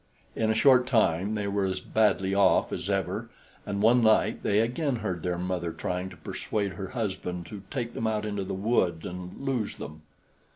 In a short time they were as badly off as ever, and one night they again heard their mother trying to persuade her husband to take them out into the wood and lose them.